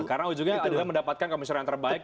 karena ujungnya adalah mendapatkan komisioner yang terbaik